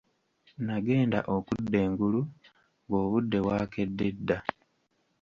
Nagenda okudda engulu ng'obudde bwakedde dda.